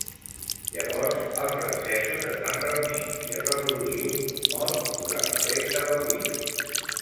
Llavors, els francesos es van reunir i es va produir un punt mort durant la resta del dia.